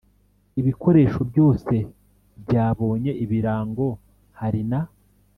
Ibikoresho byose byabonye ibirango hari na